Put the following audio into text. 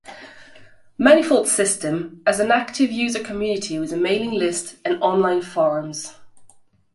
Manifold System has an active user community with a mailing list and online forums.